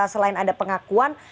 selain ada pengakuan